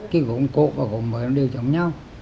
cái gốm cổ và gốm mới nó đều giống nhau